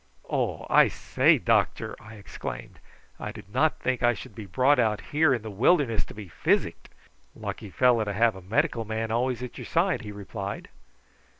"Oh, I say, doctor!" I exclaimed, "I did not think I should be brought out here in the wilderness to be physicked." "Lucky fellow to have a medical man always at your side," he replied.